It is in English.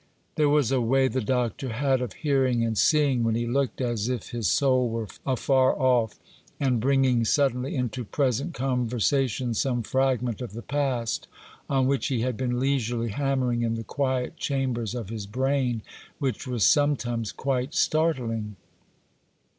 There was a way the Doctor had of hearing and seeing when he looked as if his soul were afar off, and bringing suddenly into present conversation some fragment of the past on which he had been leisurely hammering in the quiet chambers of his brain, which was sometimes quite startling.